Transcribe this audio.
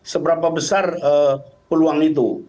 seberapa besar peluang itu